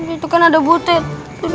itu kan ada butir